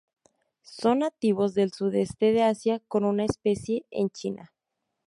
Son nativos del sudeste de Asia con una especie en China.